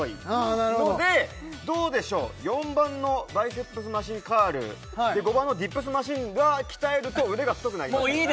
なるほどどうでしょう４番のバイセップスマシンカールで５番のディップスマシンが鍛えると腕が太くなります